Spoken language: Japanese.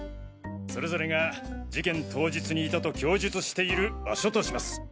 それぞれが事件当日にいたと供述している場所とします。